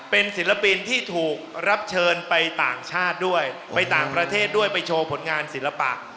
เป็นศิลปินที่ถูกรับเชิญไปต่างชาติด้วยไปต่างประเทศด้วยไปโชว์ผลงานศิลปะ